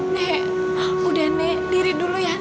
nek udah nek diri dulu ya nek